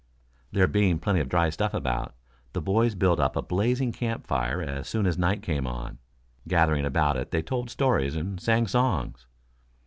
There being plenty of dry stuff about, the boys built up a blazing camp fire as soon as night came on. Gathering about it they told stories and sang songs.